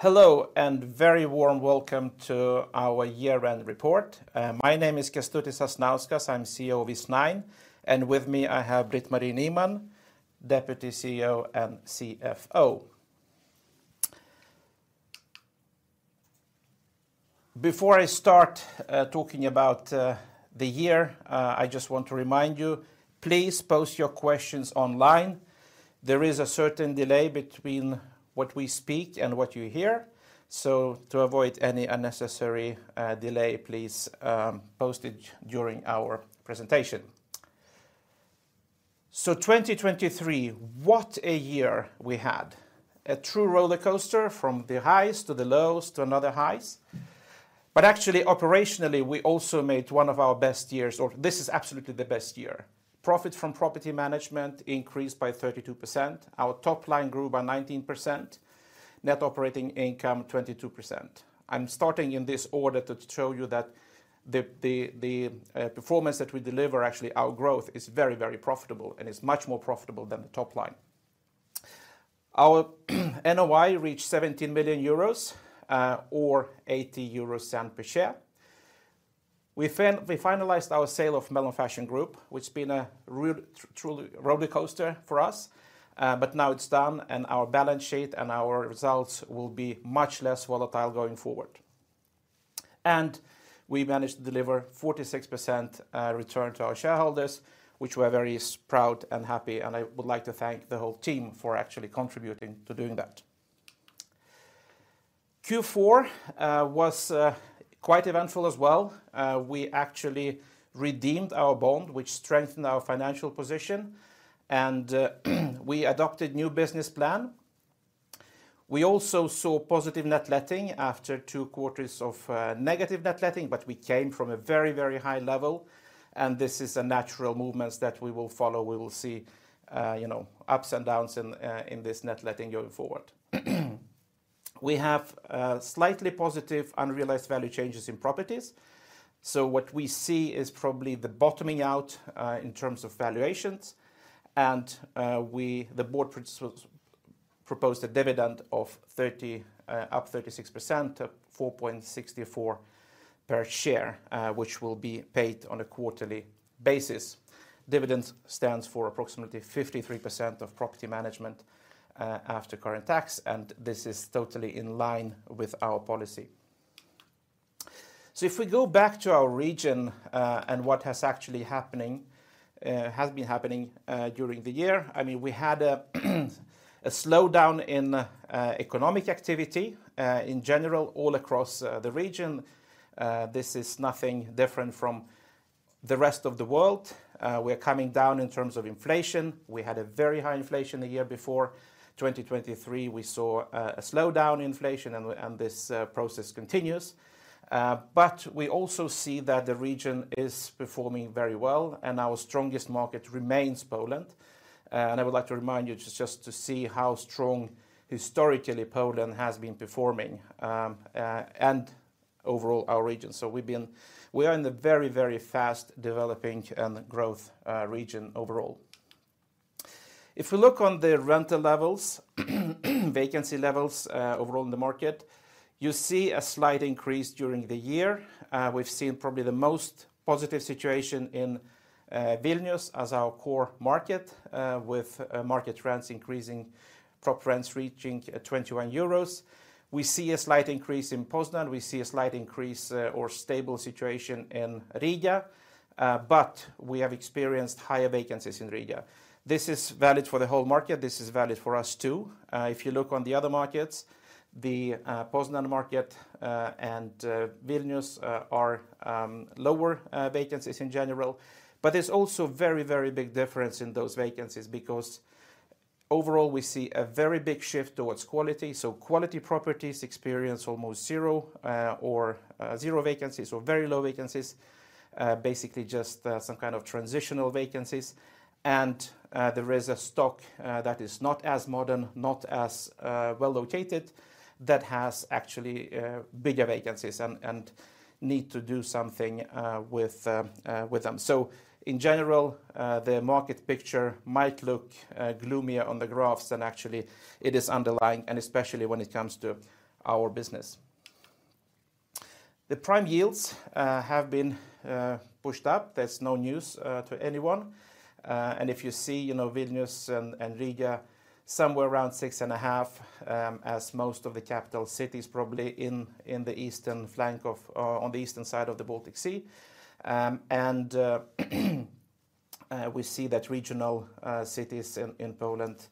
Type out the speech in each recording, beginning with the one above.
Hello, and very warm welcome to our year-end report. My name is Kestutis Sasnauskas. I'm CEO of Eastnine, and with me, I have Britt-Marie Nyman, Deputy CEO and CFO. Before I start, talking about the year, I just want to remind you, please post your questions online. There is a certain delay between what we speak and what you hear, so to avoid any unnecessary delay, please post it during our presentation. So 2023, what a year we had! A true rollercoaster from the highs to the lows to another highs. But actually, operationally, we also made one of our best years, or this is absolutely the best year. Profit from property management increased by 32%. Our top line grew by 19%. Net operating income, 22%. I'm starting in this order to show you that the performance that we deliver, actually, our growth is very, very profitable, and it's much more profitable than the top line. Our NOI reached 17 million euros, or 0.80 EUR per share. We finalized our sale of Melon Fashion Group, which been a truly rollercoaster for us, but now it's done, and our balance sheet and our results will be much less volatile going forward. We managed to deliver 46% return to our shareholders, which we are very proud and happy, and I would like to thank the whole team for actually contributing to doing that. Q4 was quite eventful as well. We actually redeemed our bond, which strengthened our financial position, and we adopted new business plan. We also saw positive net letting after two quarters of negative net letting, but we came from a very, very high level, and this is a natural movements that we will follow. We will see, you know, ups and downs in this net letting going forward. We have slightly positive unrealized value changes in properties. So what we see is probably the bottoming out in terms of valuations, and The board proposed a dividend of 30, up 36%, 4.64 per share, which will be paid on a quarterly basis. Dividends stands for approximately 53% of property management after current tax, and this is totally in line with our policy. So if we go back to our region and what has actually been happening during the year, I mean, we had a slowdown in economic activity in general all across the region. This is nothing different from the rest of the world. We're coming down in terms of inflation. We had a very high inflation the year before. 2023, we saw a slowdown in inflation, and this process continues. But we also see that the region is performing very well, and our strongest market remains Poland. And I would like to remind you just to see how strong historically Poland has been performing and overall our region. So we've been... We are in a very, very fast developing and growth region overall. If we look on the rental levels, vacancy levels, overall in the market, you see a slight increase during the year. We've seen probably the most positive situation in Vilnius as our core market, with market rents increasing, [prop] rents reaching 21 euros. We see a slight increase in Poznań. We see a slight increase, or stable situation in Riga, but we have experienced higher vacancies in Riga. This is valid for the whole market. This is valid for us, too. If you look on the other markets, the Poznań market, and Vilnius, are lower vacancies in general. But there's also very, very big difference in those vacancies because overall, we see a very big shift towards quality. So quality properties experience almost zero, or zero vacancies or very low vacancies, basically just some kind of transitional vacancies. There is a stock that is not as modern, not as well-located, that has actually bigger vacancies and need to do something with them. So in general, the market picture might look gloomier on the graphs than actually it is underlying, and especially when it comes to our business. The prime yields have been pushed up. That's no news to anyone. And if you see, you know, Vilnius and Riga, somewhere around 6.5%, as most of the capital cities, probably in the eastern flank of on the eastern side of the Baltic Sea. We see that regional cities in Poland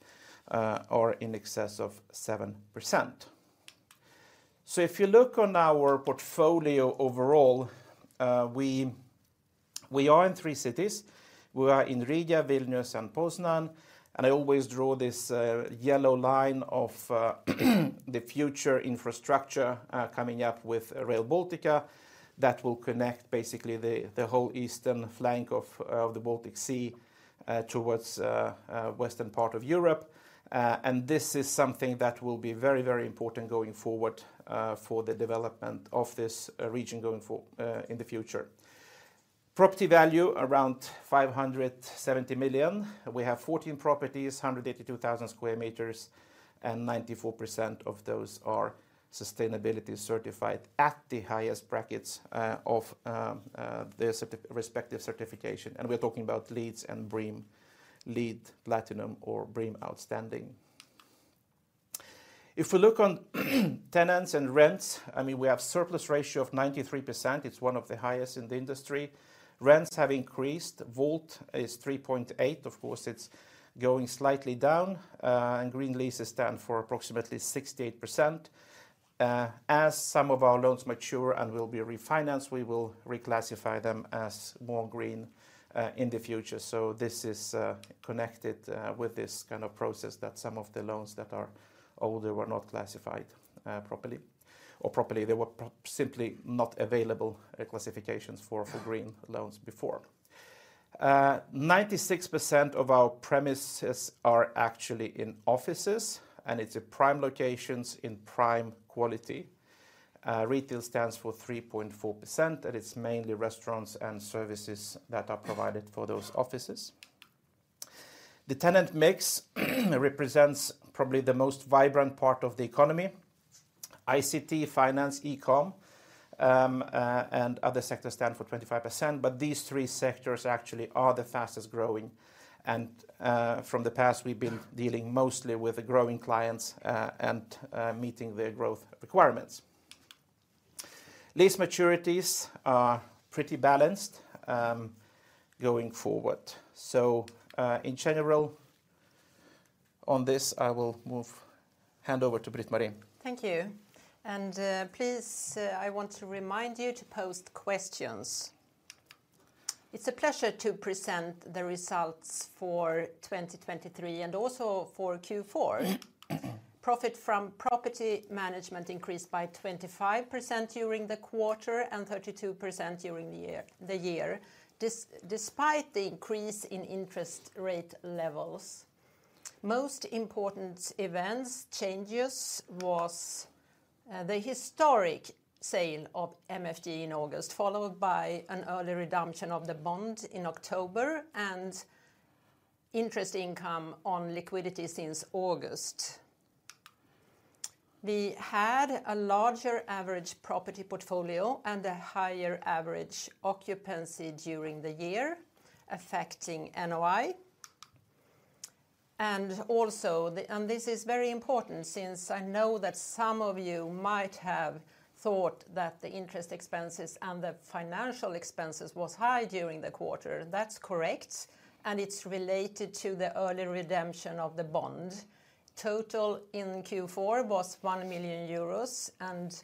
are in excess of 7%. So if you look on our portfolio overall, we are in three cities. We are in Riga, Vilnius, and Poznań, and I always draw this yellow line of the future infrastructure coming up with Rail Baltica. That will connect basically the whole eastern flank of the Baltic Sea towards the western part of Europe. And this is something that will be very, very important going forward for the development of this region going forward in the future. Property value around 570 million. We have 14 properties, 182,000 sq m, and 94% of those are sustainability certified at the highest brackets of their respective certification. We're talking about LEED and BREEAM, LEED Platinum or BREEAM Outstanding. If we look on tenants and rents, I mean, we have surplus ratio of 93%. It's one of the highest in the industry. Rents have increased. WALT is 3.8. Of course, it's going slightly down, and green leases stand for approximately 68%. As some of our loans mature and will be refinanced, we will reclassify them as more green in the future. So this is connected with this kind of process, that some of the loans that are older were not classified properly. Or properly, they were simply not available classifications for green loans before. 96% of our premises are actually in offices, and it's a prime locations in prime quality. Retail stands for 3.4%, and it's mainly restaurants and services that are provided for those offices. The tenant mix represents probably the most vibrant part of the economy. ICT, finance, e-com, and other sectors stand for 25%, but these three sectors actually are the fastest growing. From the past, we've been dealing mostly with the growing clients, and meeting their growth requirements. Lease maturities are pretty balanced, going forward. So, in general, on this, I will move... hand over to Britt-Marie. Thank you. And, please, I want to remind you to post questions. It's a pleasure to present the results for 2023 and also for Q4. Profit from property management increased by 25% during the quarter and 32% during the year, the year, despite the increase in interest rate levels. Most important events, changes, was the historic sale of MFG in August, followed by an early redemption of the bond in October, and interest income on liquidity since August. We had a larger average property portfolio and a higher average occupancy during the year, affecting NOI. And also, and this is very important, since I know that some of you might have thought that the interest expenses and the financial expenses was high during the quarter. That's correct, and it's related to the early redemption of the bond. Total in Q4 was 1 million euros, and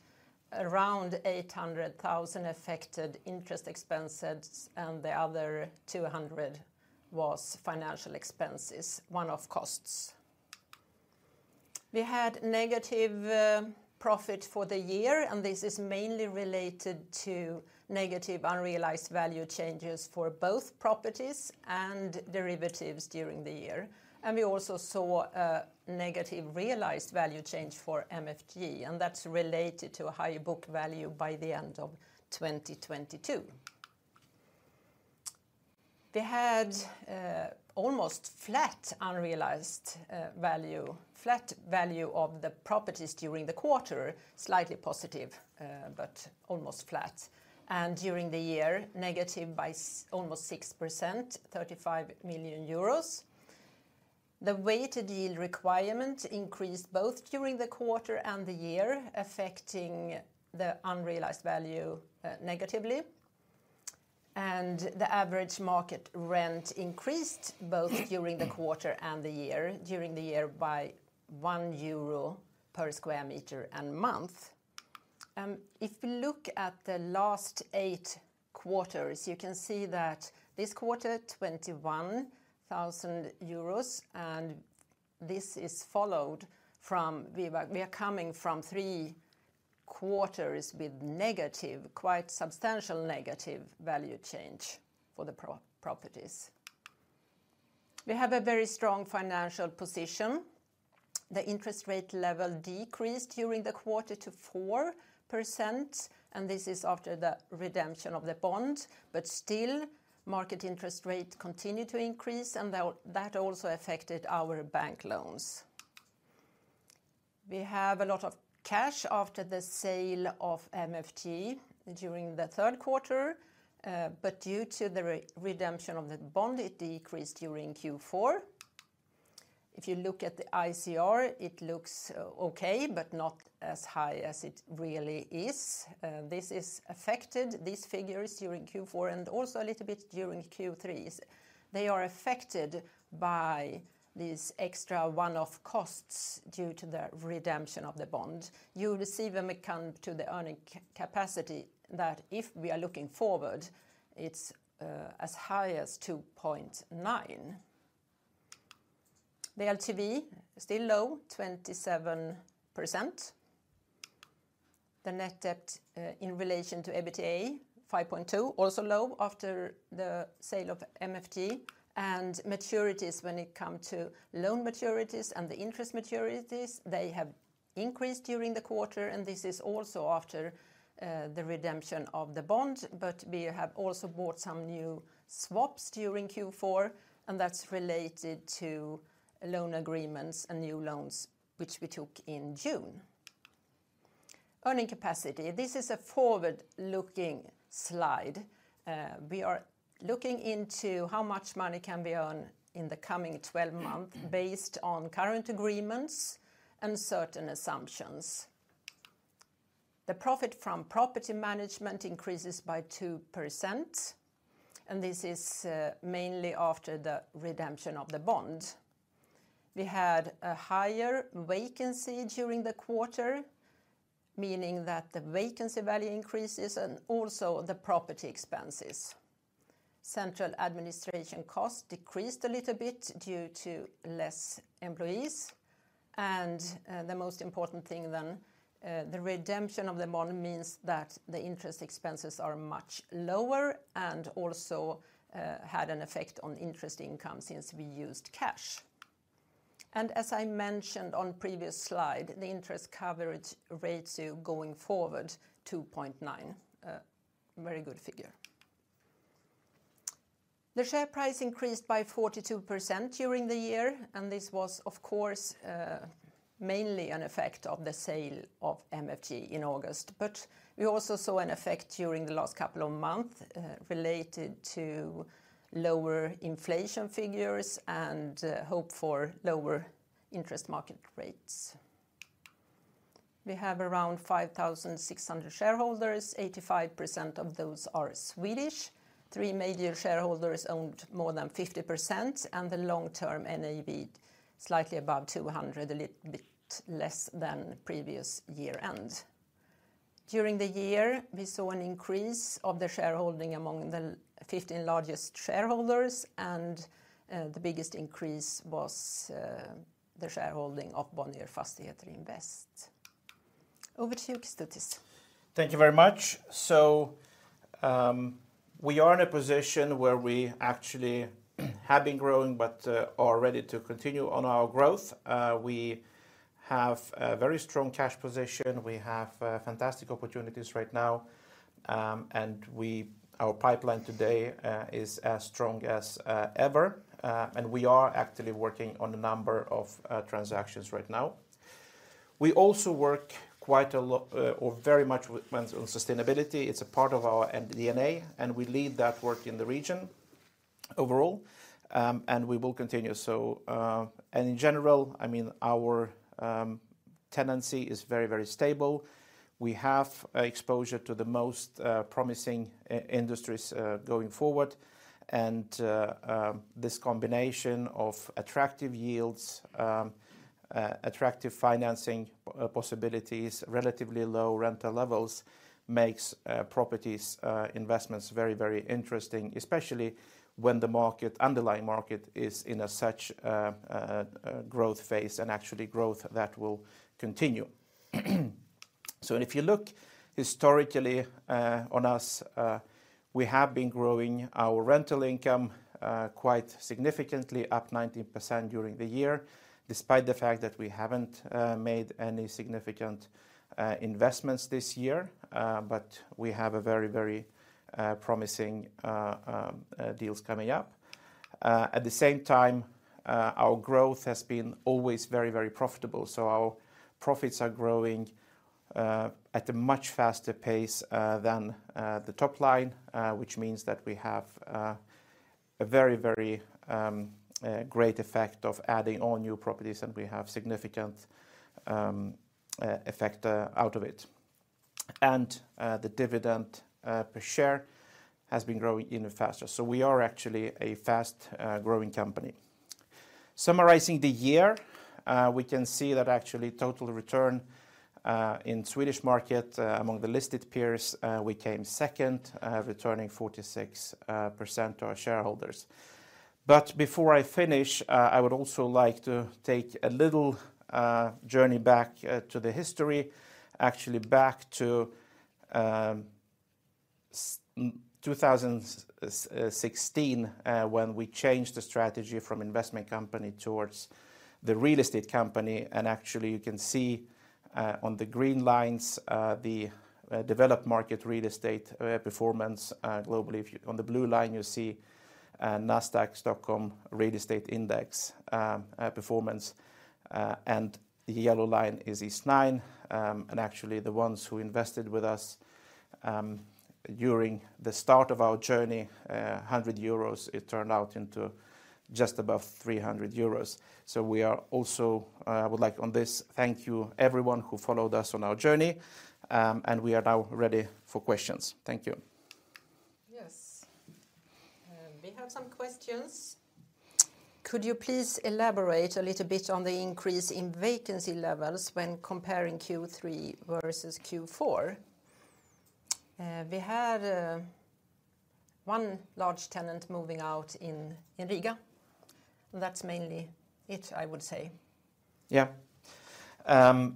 around 800,000 affected interest expenses, and the other 200 was financial expenses, one-off costs. We had negative profit for the year, and this is mainly related to negative unrealized value changes for both properties and derivatives during the year. And we also saw a negative realized value change for MFG, and that's related to a high book value by the end of 2022. We had almost flat unrealized value, flat value of the properties during the quarter, slightly positive, but almost flat, and during the year, negative by almost 6%, 35 million euros. The weighted yield requirement increased both during the quarter and the year, affecting the unrealized value negatively. And the average market rent increased both during the quarter and the year, during the year by 1 euro per sq m and month. If we look at the last eight quarters, you can see that this quarter, 21,000 euros, and this is followed from. We were, we are coming from three quarters with negative, quite substantial negative value change for the properties. We have a very strong financial position. The interest rate level decreased during the quarter to 4%, and this is after the redemption of the bond. But still, market interest rate continued to increase, and that also affected our bank loans. We have a lot of cash after the sale of MFG during the third quarter, but due to the redemption of the bond, it decreased during Q4. If you look at the ICR, it looks okay, but not as high as it really is. This is affected, these figures during Q4 and also a little bit during Q3. They are affected by these extra one-off costs due to the redemption of the bond. You receive them when come to the earning capacity, that if we are looking forward, it's as high as 2.9. The LTV, still low, 27%. The net debt in relation to EBITDA, 5.2, also low after the sale of MFG. And maturities, when it come to loan maturities and the interest maturities, they have increased during the quarter, and this is also after the redemption of the bond. But we have also bought some new swaps during Q4, and that's related to loan agreements and new loans, which we took in June. Earnings capacity. This is a forward-looking slide. We are looking into how much money can be earned in the coming 12 months, based on current agreements and certain assumptions. The profit from property management increases by 2%, and this is mainly after the redemption of the bond. We had a higher vacancy during the quarter, meaning that the vacancy value increases and also the property expenses. Central administration costs decreased a little bit due to less employees, and the most important thing then, the redemption of the bond means that the interest expenses are much lower and also had an effect on interest income since we used cash. And as I mentioned on previous slide, the interest coverage rates are going forward 2.9. Very good figure. The share price increased by 42% during the year, and this was, of course, mainly an effect of the sale of MFG in August. But we also saw an effect during the last couple of months related to lower inflation figures and hope for lower interest market rates. We have around 5,600 shareholders. 85% of those are Swedish. Three major shareholders owned more than 50%, and the long-term NAV slightly above 200, a little bit less than previous year end. During the year, we saw an increase of the shareholding among the 15 largest shareholders, and the biggest increase was the shareholding of Bonnier Fastigheter Invest. Over to you, Kestutis. Thank you very much. So, we are in a position where we actually have been growing but are ready to continue on our growth. We have a very strong cash position. We have fantastic opportunities right now, and our pipeline today is as strong as ever. And we are actively working on a number of transactions right now. We also work quite a lot or very much on sustainability. It's a part of our DNA, and we lead that work in the region overall, and we will continue. So, and in general, I mean, our tenancy is very, very stable. We have exposure to the most promising industries going forward, and this combination of attractive yields, attractive financing possibilities, relatively low rental levels, makes properties investments very, very interesting, especially when the underlying market is in such a growth phase, and actually growth that will continue. So if you look historically on us, we have been growing our rental income quite significantly, up 19% during the year, despite the fact that we haven't made any significant investments this year. But we have a very, very promising deals coming up. At the same time, our growth has been always very, very profitable, so our profits are growing at a much faster pace than the top line. which means that we have a very, very great effect of adding all new properties, and we have significant effect out of it. And the dividend per share has been growing even faster. So we are actually a fast growing company. Summarizing the year, we can see that actually total return in Swedish market among the listed peers we came second returning 46% to our shareholders. But before I finish, I would also like to take a little journey back to the history, actually back to 2016 when we changed the strategy from investment company towards the real estate company, and actually you can see on the green lines the developed market real estate performance globally. If you on the blue line, you see Nasdaq Stockholm Real Estate Index performance, and the yellow line is Eastnine. Actually, the ones who invested with us during the start of our journey, 100 euros, it turned out into just above 300 euros. So we are also would like on this, thank you everyone who followed us on our journey. We are now ready for questions. Thank you. Yes. We have some questions. Could you please elaborate a little bit on the increase in vacancy levels when comparing Q3 versus Q4? We had one large tenant moving out in Riga, and that's mainly it, I would say. Yeah. And,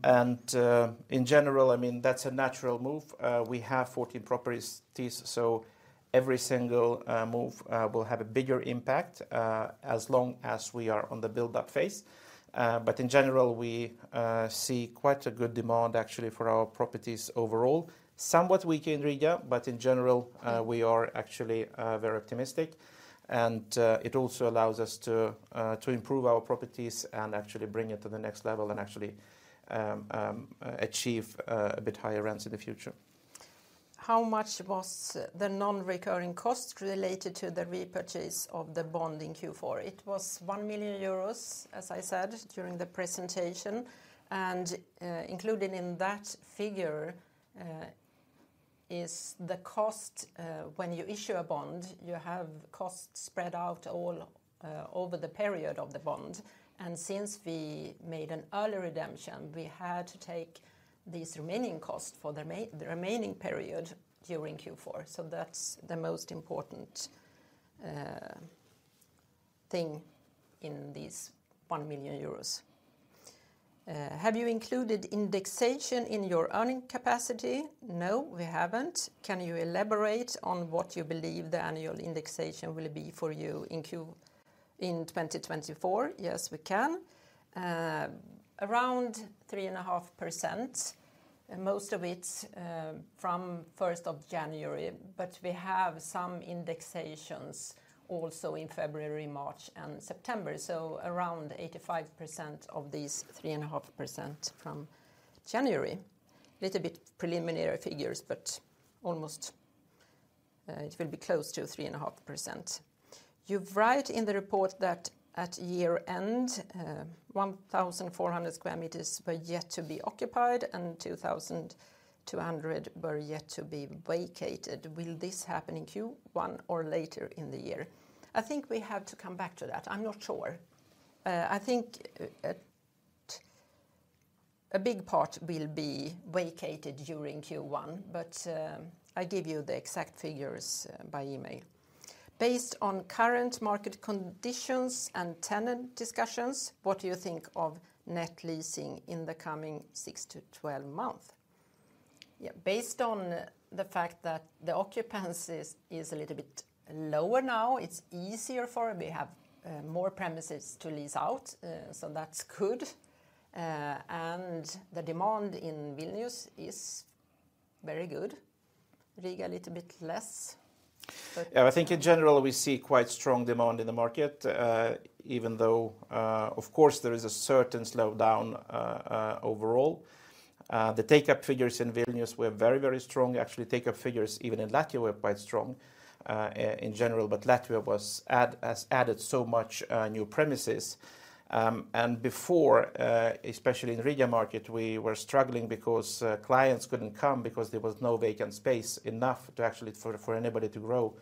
in general, I mean, that's a natural move. We have 14 properties, so every single move will have a bigger impact as long as we are on the build-up phase. But in general, we see quite a good demand actually for our properties overall. Somewhat weak in Riga, but in general, we are actually very optimistic. And, it also allows us to to improve our properties and actually bring it to the next level, and actually achieve a bit higher rents in the future. How much was the non-recurring cost related to the repurchase of the bond in Q4? It was 1 million euros, as I said during the presentation, and included in that figure is the cost. When you issue a bond, you have costs spread out all over the period of the bond, and since we made an early redemption, we had to take these remaining costs for the remaining period during Q4. So that's the most important thing in these 1 million euros. Have you included indexation in your earning capacity? No, we haven't. Can you elaborate on what you believe the annual indexation will be for you in 2024? Yes, we can. Around 3.5%, and most of it from first of January. But we have some indexations also in February, March, and September, so around 85% of these 3.5% from January. Little bit preliminary figures, but almost, it will be close to 3.5%. You write in the report that at year-end, 1,400 sq m were yet to be occupied, and 2,200 were yet to be vacated. Will this happen in Q1 or later in the year? I think we have to come back to that. I'm not sure. I think, a big part will be vacated during Q1, but, I give you the exact figures by email. Based on current market conditions and tenant discussions, what do you think of net leasing in the coming six to twelve month? Yeah, based on the fact that the occupancy is a little bit lower now, it's easier for we have more premises to lease out. So that's good. And the demand in Vilnius is very good. Riga, a little bit less, but- Yeah, I think in general, we see quite strong demand in the market, even though, of course, there is a certain slowdown, overall. The take-up figures in Vilnius were very, very strong. Actually, take-up figures even in Latvia were quite strong, in general. But Latvia has added so much new premises. And before, especially in the Riga market, we were struggling because clients couldn't come because there was no vacant space enough to actually for anybody to grow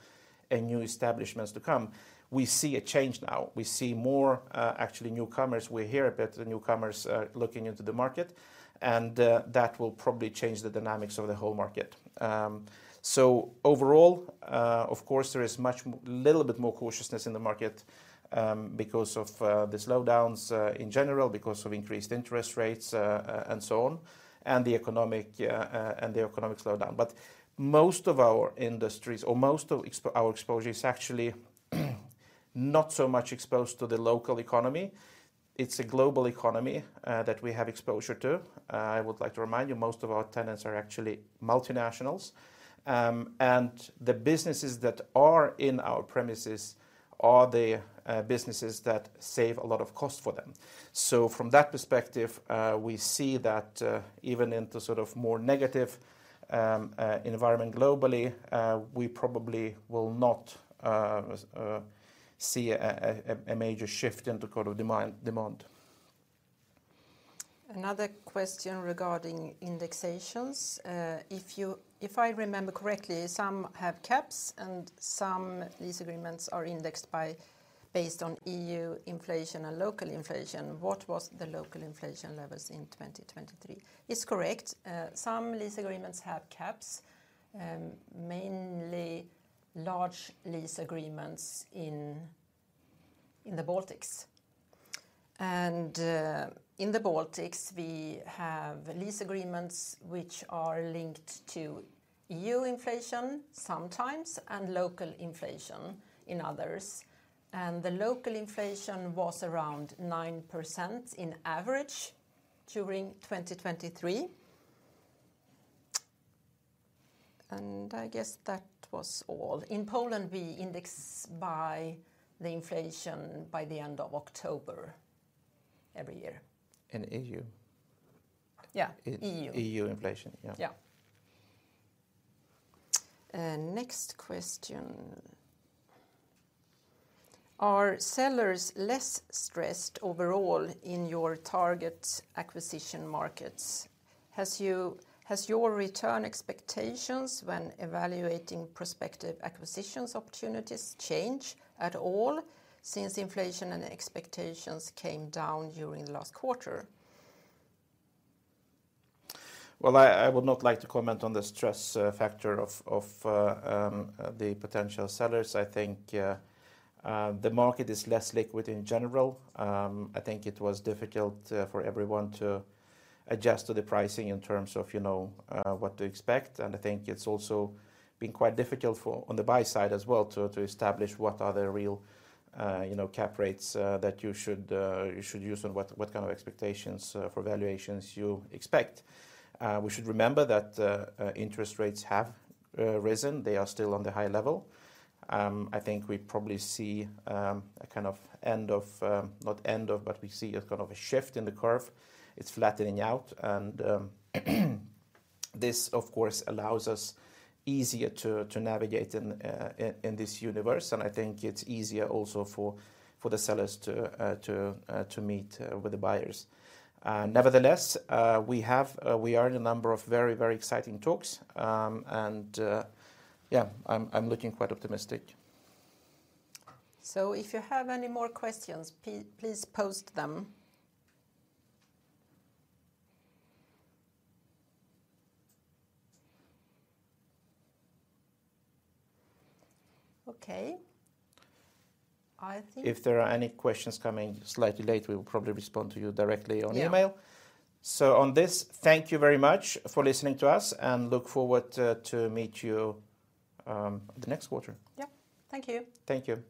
and new establishments to come. We see a change now. We see more, actually newcomers. We hear that the newcomers are looking into the market, and that will probably change the dynamics of the whole market. So overall, of course, there is little bit more cautiousness in the market, because of, the slowdowns, in general, because of increased interest rates, and so on, and the economic, and the economic slowdown. But most of our industries or most of our exposure is actually not so much exposed to the local economy. It's a global economy, that we have exposure to. I would like to remind you, most of our tenants are actually multinationals, and the businesses that are in our premises are the, businesses that save a lot of cost for them. So from that perspective, we see that, even in the sort of more negative, environment globally, we probably will not, see a major shift in the kind of demand. Another question regarding indexations. If I remember correctly, some have caps, and some lease agreements are indexed by based on EU inflation and local inflation. What was the local inflation levels in 2023? It's correct. Some lease agreements have caps, mainly large lease agreements in the Baltics. In the Baltics, we have lease agreements which are linked to EU inflation sometimes, and local inflation in others. The local inflation was around 9% on average during 2023. I guess that was all. In Poland, we index by the inflation by the end of October every year. In EU. Yeah, EU. EU inflation, yeah. Yeah. Next question: "Are sellers less stressed overall in your target acquisition markets? Has your return expectations when evaluating prospective acquisitions opportunities changed at all since inflation and expectations came down during the last quarter? Well, I would not like to comment on the stress factor of the potential sellers. I think the market is less liquid in general. I think it was difficult for everyone to adjust to the pricing in terms of, you know, what to expect. And I think it's also been quite difficult for, on the buy side as well, to establish what are the real, you know, cap rates that you should use and what kind of expectations for valuations you expect. We should remember that interest rates have risen. They are still on the high level. I think we probably see a kind of end of, not end of, but we see a kind of a shift in the curve. It's flattening out, and this, of course, allows us easier to navigate in this universe, and I think it's easier also for the sellers to meet with the buyers. Nevertheless, we are in a number of very, very exciting talks. Yeah, I'm looking quite optimistic. So if you have any more questions, please post them. Okay. I think- If there are any questions coming slightly late, we will probably respond to you directly on email. Yeah. So on this, thank you very much for listening to us, and look forward to meet you the next quarter. Yeah. Thank you. Thank you.